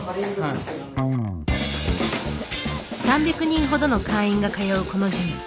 ３００人ほどの会員が通うこのジム。